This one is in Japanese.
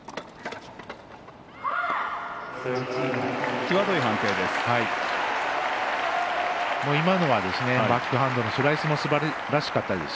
きわどい判定です。